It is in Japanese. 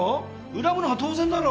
恨むのが当然だろ！